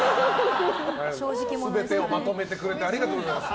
全てをまとめてくれてありがとうございます。